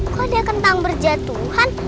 kok ada kentang berjatuhan